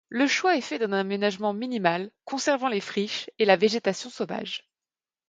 Le choix est fait d'un aménagement minimal, conservant les friches et la végétation sauvage.